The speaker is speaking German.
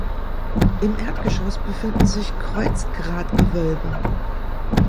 Im Erdgeschoß befinden sich Kreuzgratgewölbe.